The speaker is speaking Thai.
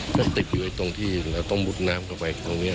ก็ติดอยู่ตรงที่เราต้องมุดน้ำเข้าไปตรงนี้